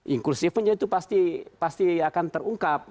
inklusifnya itu pasti akan terungkap